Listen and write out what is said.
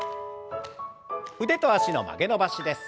腕と脚の曲げ伸ばしです。